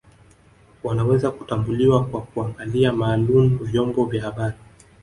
Wanaweza kutambuliwa kwa kuangalia maalum vyombo vya habari